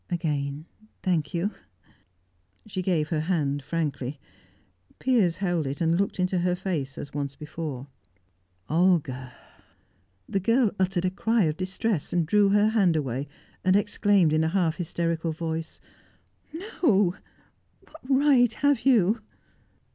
Again, thank you!" She gave her hand frankly. Piers held it, and looked into her face as once before. "Olga " The girl uttered a cry of distress, drew her hand away, and exclaimed in a half hysterical voice: "No! What right have you?"